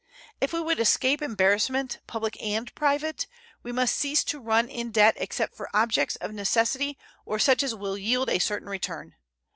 If we would escape embarrassment, public and private, we must cease to run in debt except for objects of necessity or such as will yield a certain return.